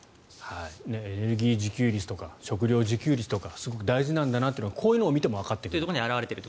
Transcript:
エネルギー自給率とか食料自給率とかってすごく大事なんだなというのがこういうのを見てもわかってくる。